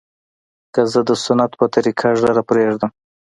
که زه د سنت په طريقه ږيره پرېږدم.